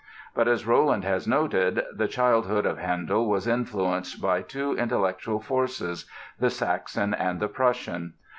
But, as Rolland has noted, "the childhood of Handel was influenced by two intellectual forces: the Saxon and the Prussian.